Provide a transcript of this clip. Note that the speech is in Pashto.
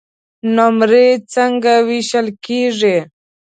نمرې څنګه وېشل کیږي؟